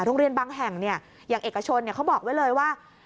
โรงเรียนบางแห่งอย่างเอกชนเขาบอกไว้เลยว่า